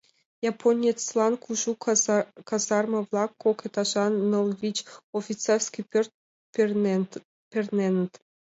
Японецлан кужу казарма-влак, кок этажан ныл-вич офицерский пӧрт перненыт.